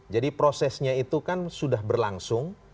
jadi prosesnya itu kan sudah berlangsung